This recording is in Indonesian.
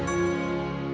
dada dasar lah